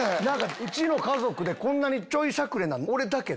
うちの家族でこんなにちょいしゃくれなん俺だけで。